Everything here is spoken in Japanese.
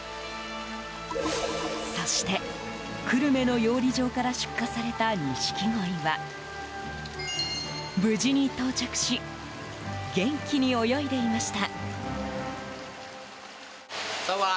そして、久留米の養鯉場から出荷されたニシキゴイは無事に到着し元気に泳いでいました。